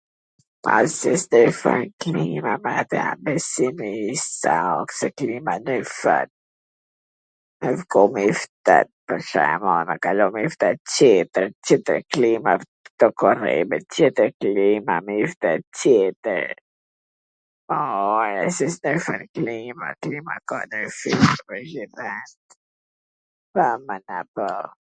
po s kishte faj klima, ... tjetwr klima ... klima ka ndryshu ... se klima ndryshon... ktu ku rrim tjetwr klim a... Ca me na bo...